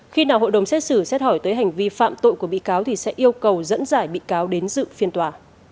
khi nào hội đồng xét xử xét hỏi tới hành vi phạm tội của bị cáo thì sẽ yêu cầu dẫn giải bị cáo đến dự phiên tòa